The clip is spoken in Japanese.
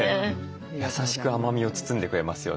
優しく甘みを包んでくれますよね。